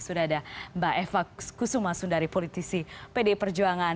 sudah ada mbak eva kusuma sundari politisi pdi perjuangan